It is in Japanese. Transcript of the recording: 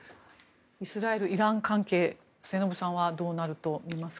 イスラエル、イラン関係末延さんはどうなると見ますか。